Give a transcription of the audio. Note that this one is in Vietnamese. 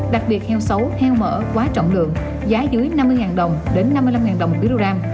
đặc biệt heo xấu heo mở quá trọng lượng giá dưới năm mươi đồng đến năm mươi năm đồng một kg